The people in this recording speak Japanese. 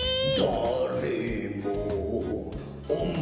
「だれもおまえを」